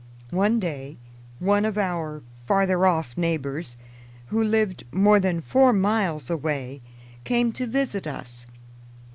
One day one of our farther off neighbors, who lived more than four miles away, came to visit us.